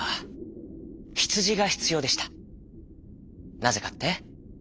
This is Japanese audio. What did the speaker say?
なぜかって？